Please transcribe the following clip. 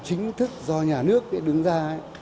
chính thức do nhà nước đứng ra